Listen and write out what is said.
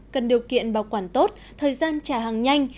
cần điều kiện bảo quản tốt thời gian trả hàng nhanh